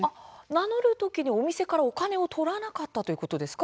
名乗る時にお店からお金を取らなかったんですか。